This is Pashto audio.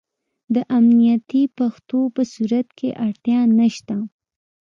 د امنیتي پېښو په صورت کې اړتیا نشته.